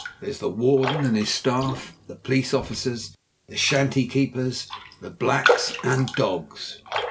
There's the warden and his staff, the police officers, the shanty keepers, the blacks, and dogs.